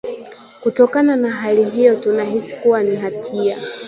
Kutokana na hali hiyo tunahisi kuwa ni hatia